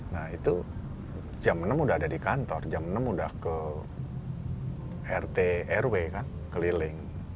nah itu jam enam udah ada di kantor jam enam udah ke rt rw kan keliling